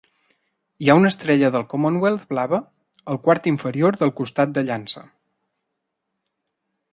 Hi ha una estrella del Commonwealth blava al quart inferior del costat de llança.